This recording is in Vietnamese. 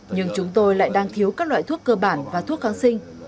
nhưng chúng tôi lại đang thiếu các loại thuốc cơ bản và thuốc kháng sinh